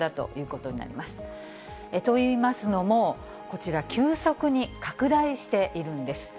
といいますのも、こちら、急速に拡大しているんです。